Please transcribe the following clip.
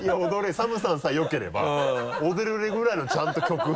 ＳＡＭさんさえよければ踊れるぐらいのちゃんと曲。